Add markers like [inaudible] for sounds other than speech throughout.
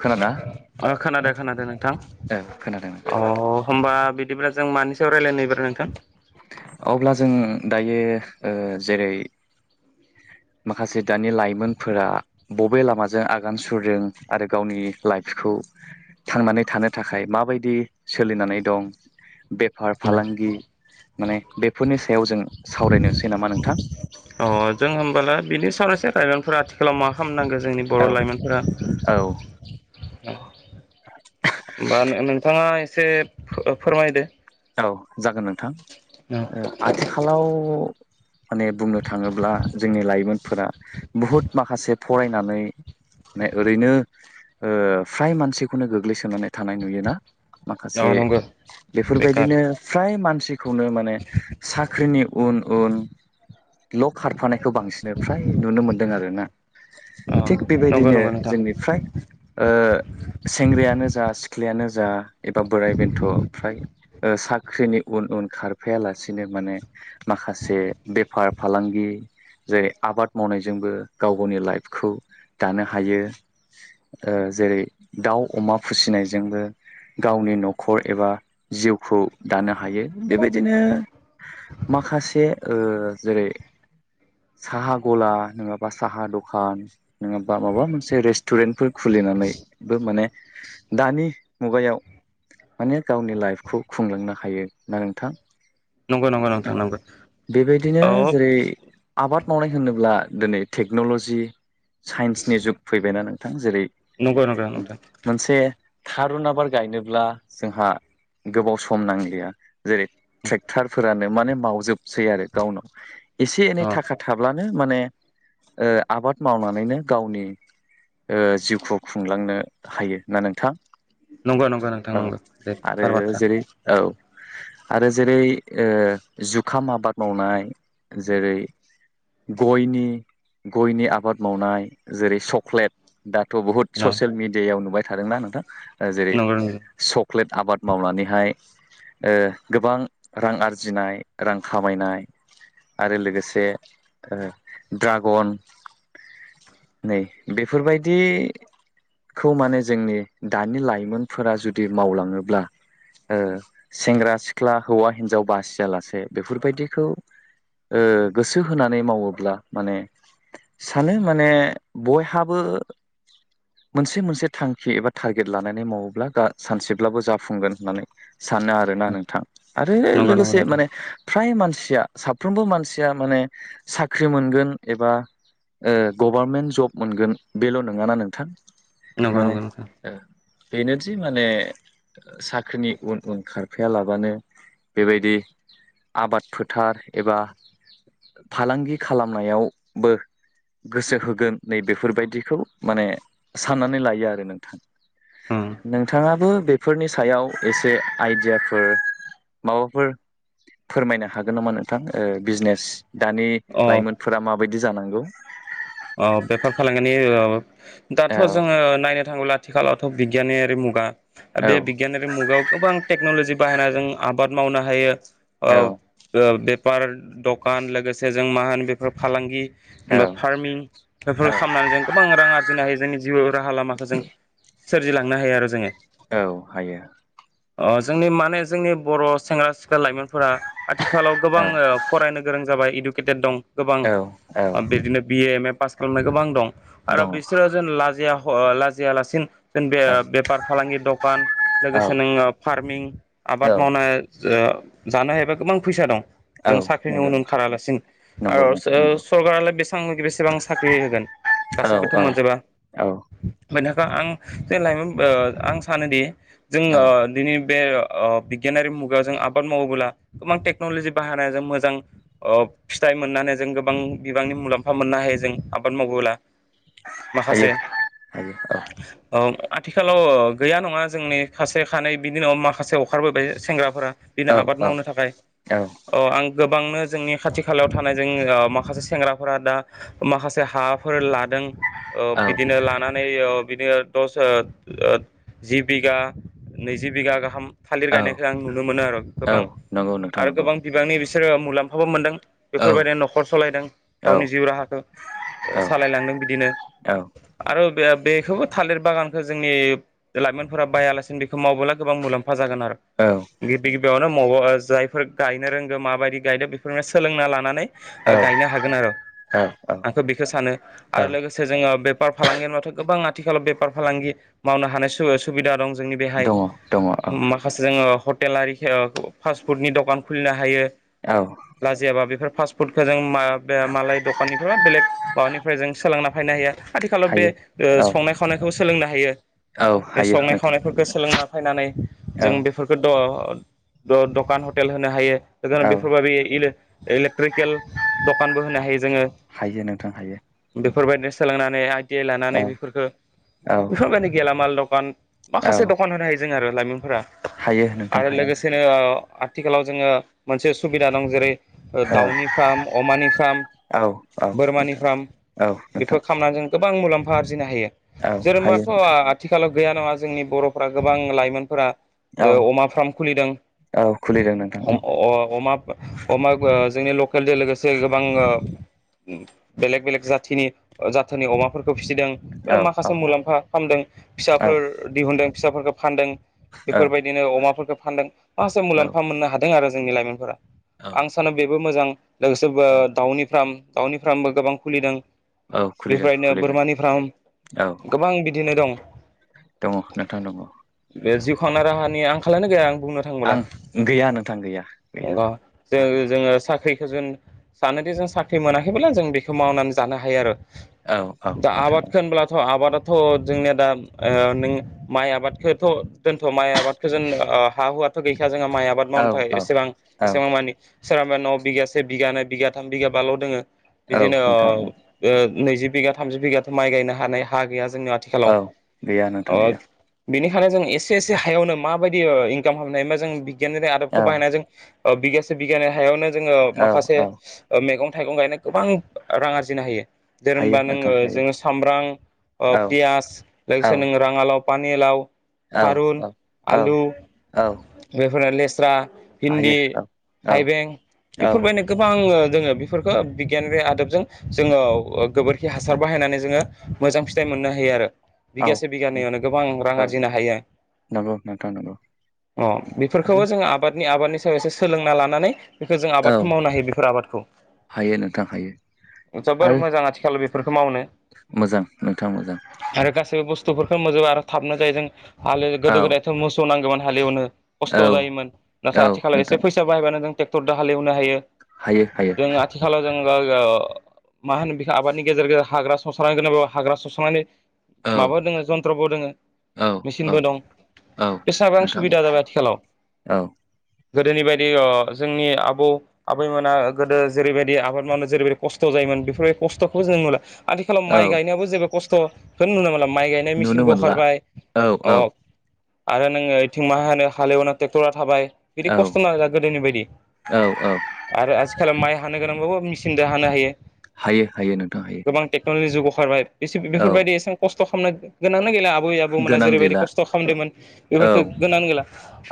खोनादोंना खोनादों खोनादों नोंथां औ खोनादों नोंथां अ होमबा बि बिदिब्ला जों मानि सायाव रायलायनो एबार नोंथां? अब्ला जों दायो ओ जेरै [inaudible] माखासे दानि लाइमोनफोरा बबे लामाजों आगान सुरदों आरो गावनि लाइफखौ थांनानै थानो थाखाय माबायदि सोलिनानै दं। बेफार अ फालांगि माने बेफोरनि सायाव जों सावरायनोसै नामा नोंथां। बि सावरायस लाइमोनफोरा आथिखालाव मा खालामनांगौ जोंनि औ बर' लाइमोनफोरा औ [unintelligible] होमबा नोंथाङा एसे फोरमायदो। औ जागोन नोंथां आथिखालाव माने बुंनो थाङोब्ला जोंनि लाइमोनफोरा बहुत माखासे फरायनानै माने ओरैनो ओ फ्राय मानसिखौनो गोग्लैसोनानै थानाय नुयोना? औ माखासे नंगौ बे बेखार फोरबायदिनो फ्राय मानसिखौनो माने साख्रिनि उन उन ल खारफानायखौ बांसिनो फ्राय नुनो मोन्दों आरोना। अ थिग नंगौ बेबायदिनो नंगौ नोंथां जोंनिफ्राय ओ सेंग्रायानो जा सिख्लायानो जा एबा बोराय बेन्थ' फ्राय ओ साख्रिनि उन उन खारफायालासिनो माने माखासे बेफार फालांगि जेरै आबाद मावनायजोंबो गाव गावनि लाइफखौ दानो हायो। ओ जेरै दाउ अमा फिसिनायजोंबो गावनि न'खर एबा जिउखौ दानो हायो बेबायदिनो माखासे ओ जेरै साहा गला नङाबा साहा दखान नङाबा माबा मोनसे रेस्ट टुरेन्टफोर खुलिनानैबो माने दानि मुगायाव माने गावनि लाइफखौ खुंलांनो हायो ना नोंथां। नंगौ नंगौ नोंथां नंगौ बेबायदिनो औ जेरै आबाद मावनाय होनोब्ला दिनै टेक्न'ल'जि साइन्सनि जुग फैबायना नोंथां जेरै नंगौ नोंथां नोंथां। मोनसे थारुन आबाद गायनोब्ला जोंहा गोबाव सम नांलिया। जेरै ट्रेक्टार फोरानो माने मावजोबसै आरो गावनाव एसे एनै अ थाखा थाब्ला नो माने ओ आबाद मावनानैनो गावनि ओ जिउखौ खुंलांनो हायो ना नोंथां। नंगौ नंगौ नोंथां औ नंगौ दे जेरै औ। आरो जेरै ओ जुखाम आबाद मावनाय जेरै गयनि गयनि आबाद मावनाय जेरै चक्लेट दाथ' बुहुत ससियेल मिडियायाव नुबाय थादोंना नोंथां जेरै नंगौ नंगौ सक्लेट आबाद मावनानैहाय ओ गोबां रां आरजिनाय रां खामायनाय। आरो लोगोसे ड्रागन। नै बेफोरबायदि खौ माने जोंनि दानि लाइमोनफोरा जुदि मावलाङोब्ला। ओ सेंग्रा सिख्ला हौवा हिनजाव बासियालासे बेफोरबायदिखौ ओ गोसो होनानै मावोब्ला माने सानो माने बयहाबो मोनसे मोनसे थांखि एबा टारगेट लानानै मावोब्ला सानसेब्लाबो फुंगोन होननानै सानो आरोना नोंथां आरो नंगौ नंगौ लोगोसे नोंथां माने फ्राय मानसि या साफ्रोमबो मानसिया माने साख्रि मोनगोन एबा ओ गभारनमेन्ट जब मोनगोन बेल' नोङाना नोंथां। नंगौ माने नंगौ नोंथां। ओ बेनोदि माने साख्रिनि उन उन खार फायालाबानो बेबायदि आबाद फोथार एबा फालांगि खालामनायावबो गोसो होगोन नै बेफोरबायदिखौ माने साननानै लायो आरो नोंथां। नोंथां नोंथाङाबो बे फोरनि सायाव एसे आइडियाफोर माबाफोर फोरमायनो हागोन नामा नोंथां बिजनेस दानि अ लाइमोनफोरा माबायदि जानांगौ औ बेफार फालांगिनि दाथ' औ जोंङो नायनो थांङोब्ला आथिखालावथ' बिगियानयानिरि मुगा औ बे बिगनिारि मुगायाव गोबां टेकनलजि बाहायना जों आबाद मावनो हायो बे बार दखान लोगोसे जों मा होनो बेफोर फालांगि औ होनबा फार्मिं बेफोरखौ औ खालामनानै जों गोबां रां आरजिनो हायो जोंनि जिउ राहा लामाखौ जों सोरजिलांनो हायो आरो जोङो औ हायो अ जोंनि माने जोंनि बर' सेंग्रा सिख्ला लाइमोनफोरा आथिखालाव गोबां औ फरायनो गोरों जाबाय इडुकेटेड दं गोबां औ औ बिदिनो बिए एम ए पास खालामनाय गोबां दं आरो दङ बिसोरो जेन लाजिया लाजियालासिनो जों बे औ बेफार फालांगि दखान लोगोसे नोंङो फार्मिं औ आबाद मावनाय जो जानो हायोबा गोबां फैसा दं। औ जों साख्रिनि नंगौ उन नोंथां ओंखारालासिनो नंगौ आरो ओस नोंथां नंगौ सरकारालाय बेसेबां बेसेबां सा ख्रि होगोन औ गासिबोथ' औ मोनजोबा। औ बेनो आं जों लाइमोन ओ आं सानोदि औ जोङो दिनै बे ओ बिगियानारि मुगायाव जों आबाद मावोब्ला गोबां टेक्न'लजि बाहायनायजों मोजां ओ फिथाइ मोननानै जों गोबां बिबांनि मुलाम्फा मोननो हायो जों आबाद मावबोला हायो माखासे हायो औ ओ आथिखालाव ओ गैया नङा जोंनि खासे खानै बिनि उनाव माखासे ओं खारबोबाय सेंग्राफोरा बिनो औ आबाद मावनो थाखाय औ अ आं गोबांनो जोंनि खाथि खालायाव थानाय जोंनि माखासे सेंग्राफोरा दा माखासे हाफोर ला दों ओ औ बिदिनो लानानै ओ बिदिनो दस ओ ओ जि बिगा नैजि बिगा गाहाम थालिर औ गायनायखौ आं नुनो मोनो आरो औ गोबां नंगौ नोंथां आरो नंगौ गोबां बिबांनि बिसोरो मुलाम्फाबो मोनदों। औ बेफोरबायदिनो न'खर सलायदों औ गावनि जिउ राहाखौ ओ सालायलांदों बिदिनो औ आ ओ बे बेखौबो थालिर बागानखौ जोंनि लाइमोनफोरा बायालासिनो बेखौ मावबोला गोबां मुलाम फा जागोन आरो गिबि गिबियावनो [unintelligible] जायफोर गायनो रोंगो माबायदि गायदो बेफोरनो सोलोंना लानानै ओ गायनो हागोन आरो औ औ आंथ' बेखौ सानो औ आरो लोगोसे जोङो बे फार फालांगि होनबाथ' गोबां आथिखालाव बेफार फालांगि मावनो हानाय सु-सुबिदा दं। जोंनि बेहाय दङ दङ औ माखासे जोङो हटेल आरि ओ फास्ट फुडनि दखान खुलिनो हायो। औ लाजियाबा बेफोर फास्टफुडखौ जों मा-मालाय द'खाननि नो बेलेग माबानिफ्राय जों सोलोंना फैनो हायो आथिखालाव बे हायो ओ औ संनाय खावनायखौ सोलोंनो हायो। औ बे हायो संनाय नोंथां खावनायफोरखौ हायो सोलोंना फैनानै औ जों बेफोरखौ द द-दखान हटेल होनो हायो औ [unintelligible] इलेक्ट्रिकेल द खानबो होनो हायो जोङो। हायो नोंथां हायो। बेफोरबायदिनो सोलोंनानै आइ टि आइ लानानै औ बेफोरखौ औ बेफोरबायदि गेलामाल द'खान औ माखासे द'खान होनो हायो जों आरो लाइमोनफोरा हायो नोंथां आरो हायो लोगोसेनो ओ आथिखालाव जोङो मोनसे सुबिदा दं जेरै- औ दाउनि फार्म अमानि फार्म औ औ बोरमानि नोंथां फार्म औ बेफोर नोंथां खालामनानै जों गोबां मुलाम्फा आरजिनो हायो। औ हायो जोरोमाथ' नोंथां आथिखालाव गैया नङा जोंनि बर'फ्रा गोबां लाइमोनफोरा औ ओ अमा फार्म खुलिदों औ खुलिदों नोंथां औ अ-अ-अमा अमा ओ जोंनि लकेलजों लोगोसे गोबां ओ बेलेग बेलेग जाथिनि जाथोनि अमाफोरखौ फिसिदों औ बे औ माखासे मुलाम्फा खामदों औ फिसाफोर दिहुनदों फिसाफोरखौ फानदों बेफोरबायदिनो अमाफोरखौ फानदों मासे औ मुलाम्फा मोननो हादों आरो जोंनि लाइमोनफोरा औ आं सानो बेबो मोजां लोगोसे बो औ दाउनि फार्म दाउनि फार्मबो गोबां खुलिदों औ बेफोर खुलिदों बायदिनो खुलिदों बोरमानि फार्म औ गोबां बिदिनो दं। दङ नोंथां दङ बे जिउ खांना राहानि आंखालानो गैया आं बुंनो थांबोला आं गैया नोंथां गैया गैया ग जोङो जोङो साख्रि जोन सानोदि जों साख्रि मोनाखैबोब्ला जों बेखौ मावनानै जानो हायो आरो। औ औ दा नोंथां आबाद औ होनब्लाथ' आबादा थ' जोंनिया दा ओ नों माइ आबादखोथ' दोनथ' माइ आबादखो जोन ओ हा हुवाथ' गैखा जोङा माइ आबाद औ मावनो थाखाय औ एसेबां एसेबां मानि सोरबा न' बिगासे बिगानै बिगाथाम बिगाब बाल' दोङो औ इदिनो नोंथां औ ओ ओ नैजि बिगा थामजि बिगाथ' माइ गायनो हानाय हा गैया जोंनि आथिखालाव औ गैया नोंथां ओ गैया बेनिखायनो जों एसे एसे हायावनो माबादि इनकाम खालामनाय हा जों बिगियाननि औ आदबखौ बाहायनाय जों ओ बिगासे बिगानै हायावनो जोङो माखासे औ ओ मैगं थाइगं गायना गोबां रां आरजिनो हायो। हायो जेनेबा नोंथां नोङो हायो जोङो सामब्राम, ओ औ पियास, औ लोगोसे नोङो राङालाव, पानिलाव, औ थारुन, औ औ आलु औ बेफोरनो ले स्रा, भिन्दी, हायो औ औ थाइबें, औ इफोरबायनो गोबां ओ जोङो बेफोरखो बिगियान बे आदबजों जोङो ओ गोबोरखि हासार बाहायनानै जोङो मोजां फिथाइ मोननो हायो आरो औ बिगासे बिगानैयावनो गोबां रां औ आरजिनो हायो। नंगौ नोंथां नंगौ अ आरो बेफोरखौबो जोङो आबादनि आबादनि सायाव एसे सोलोंना ला नानै बेखौ जों औ आबादखौ मावनो हायो बेफोर आबादखौ। हायो नोंथां हायो। जोबोर आरो मोजां आथिखाल बेफोरखौ मावनो मोजां नोंथां मोजां आरो गासैबो बुस्थुफोरखौ [unintelligible] आरो थाबनो जायो जों हाल औ गोदो गोदायथ' मोसौ नांगौमोन हालेवनो खस्थ' औ जायोमोन औ नाथाय आथिखालाव नोंथां एसे फैसा बाहायबानो जों टेक्टर दो हालेवनो हायो। हायो। हायो जों आथिखालाव जों गो ओ मा होनो बेखो आबादनि गेजेर गेजेर हाग्रा सस्रां गोनां बे हाग्रा सस्रांनानै औ माबा दोङो जन्थ्रबो दङो, औ औ मिचिनबो दं, औ एसाबां नोंथां सुबिदा जाबाय आथिखालाव। औ गोदोनि बायदि अ जोंनि आबौ आबैमोना गोदो जेरैबायदि आबाद मावनो जेरैबायदि खस्थ' जायोमोन बेफोरबायदि खस्थ'खौ जों नुला। आथिखालाव औ माइ गायनायावबो जेबो खस्थ' होन नुनो मोनला। माइ गायनाय नुनो मिचिनबो मोनला अंखारबाय औ अ औ आरो नोङो इथिं मा होनो हालेवनो टेक्टरा थाबाय। बिदि औ खस्थ' औ नांजा गोदोनि बायदि औ आरो आजि माइ हानो गोनांबाबो मिचिन दो हानो हायो। हायो हायो नोंथां हायो। ओंखारबाय बेसिब औ बेफोरबायदि एसे खस्थ' खामनो गोनांनो गैला आबै आबौमोना गोनां जेरैबायदि गैला खस्थ' खामदोमोन औ बेफोरफोरखौ गोनांनो गैला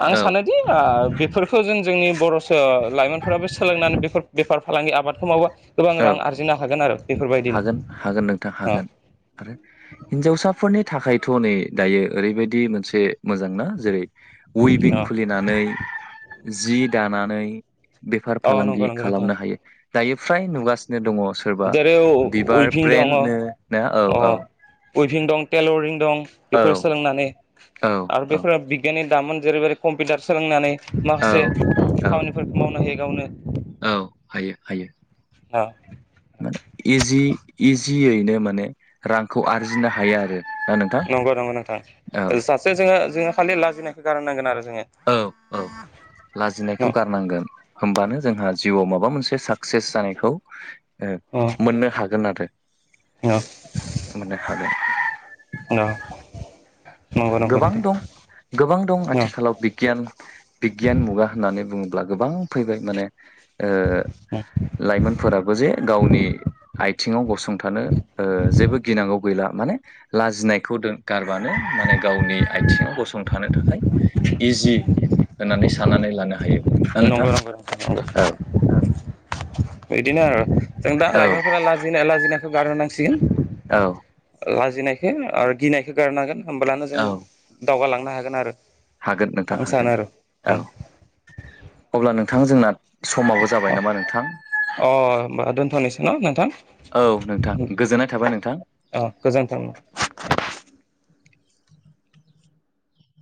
आं औ सानोदि ओ बेफोरखो जों जोंनि बर'सो लाइमोनफोराबो सोलोंनानै बेफोर बेफार फालांगि आबादखौ मावबा गोबां औ रां आरजिनो हागोन आरो। बेफोरबायदिनो हागोन हागोन नोंथां अ हागोन आरो हिनजावसाफोरनि थाखाय थ' नै दायो ओरैबायदि मोनसे मोजांना जेरै उइभिं अ खुलिनानै जि दानानै बेफार अ फालांगि नंगौ नंगौ नोंथां खालामनो हायो दायो फ्राय नुगासिनो दङ। सोरबा जेरै औ बिबार ब्रेन्ड नो ना औ औ उइभिं दं टेइलरिं दं औ बेफोर सोलोंनानै औ आरो औ बेफोरो बिगियानि दामोन जेरैबायदि कम्पिउटार सोलोंनानै माखासे औ खामानिफोरखौ मावनो हायो गावनो। औ हायो हायो। औ। इजि इजियैनो माने रांखौ आरजिनो हायो आरो। ना नोंथां नंगौ नंगौ नोंथां औ ओ सासे जोङो ओ जोङो खालि लाजिनायखौ गारनांगोन आरो। जोङो औ औ लाजिनायखौ न' गारनांगोन होमबानो जोंहा जिउआव माबा मोनसे साक्सेस जानायखौ ओ नंगौ मोननो हागोन आरो। मोननो हागोन। नंगौ नोंथां गोबां दं गोबां दं नंगौ आथिखालाव बिगियान बिगियान मुगा होननानै बुङो ब्ला गोबां फैबाय माने ओ लाइमोनफोराबो जे गावनि आयथिङाव गसंथानो ओ जेबो गिनांगौ गैला माने लाजिनायखौ दोन गारबानो माने गावनि आथिङाव गसंथानो थाखाय इजि होननानै साननानै लानो हायो ना उनाव नोंथां औ [unintelligible] इदिनो आरो जों दा औ लाइमोनफोरा लाजिनाया लाजिनायखौ गारनो नांसि औ। लाजिनायखो आरो गिनायखो गारनांगोन होमब्लानो जों औ दावगालांनो हागोन आरो हागोन नोंथां आं सानो हागोन आरो औ अ अब्ला नोंथां जोंना समाबो जाबाय नामा नोंथां। अ होमबा दोनथ'नोसै न नोंथां औ नोंथां उम गोजोननाय थाबाय नोंथां अ गोजोन्थों। दे